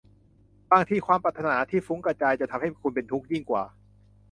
บางทีความปรารถนาที่ฟุ้งกระจายจะทำให้คุณเป็นทุกข์ยิ่งกว่า